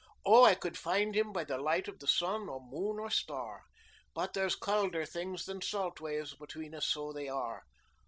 Oh, I could find him by the light of sun or moon or star: But there's caulder things than salt waves between us, so they are.